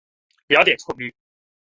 雅典创立。